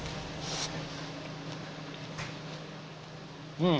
うん。